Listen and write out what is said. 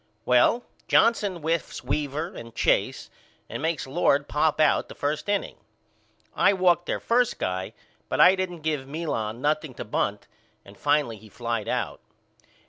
Well, Johnson whiffs Weaver and Chase and makes Lord pop out the first inning. I walked their first guy but I didn't give Milan nothing to bunt and finally he flied out.